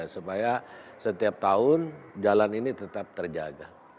supaya setiap tahun jalan ini tetap terjaga